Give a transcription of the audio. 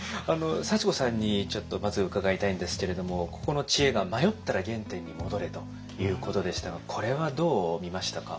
幸子さんにちょっとまず伺いたいんですけれどもここの知恵が「迷ったら原点に戻れ」ということでしたがこれはどう見ましたか？